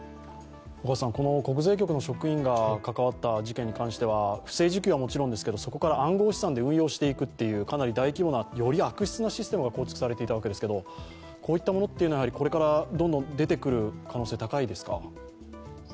この国税局の職員が関わった事件では、不正受給はもちろんですが、そこから暗号資産で運用していくといったかなり大規模な、より悪質なシステムが構築されていたわけですがこういったものというのはこれからどんどん出てくる可能性は高いですか？